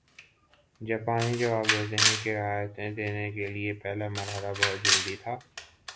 جاپانی جواب دیتے ہیں کہ رعایتیں دینے کے لیے پہلا مرحلہ بہت جلدی تھا